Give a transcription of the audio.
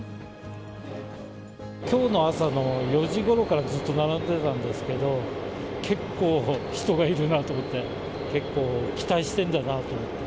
きょうの朝の４時ごろからずっと並んでたんですけど、結構、人がいるなと思って。